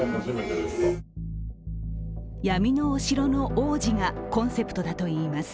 闇のお城の王子がコンセプトだといいます。